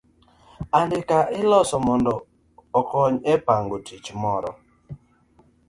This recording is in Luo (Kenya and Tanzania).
Andika iloso mondo okony e pango tich moro.